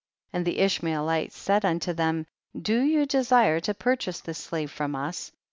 2. And the Ishmaelites said unto them, do you desire to purchase this slave from us?